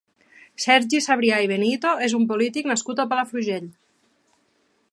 Sergi Sabrià i Benito és un polític nascut a Palafrugell.